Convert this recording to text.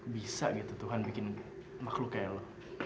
bisa gitu tuhan bikin makhluk kayak lu